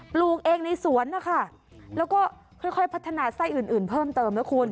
ปลูกเองในสวนนะคะแล้วก็ค่อยพัฒนาไส้อื่นอื่นเพิ่มเติมนะคุณ